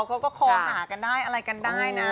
เขาก็คอหากันได้อะไรกันได้นะ